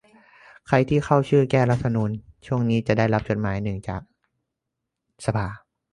ใครที่เข้าชื่อ แก้รัฐธรรมนูญ ช่วงนี้จะได้รับจดหมายหนึ่งหน้าจากสภา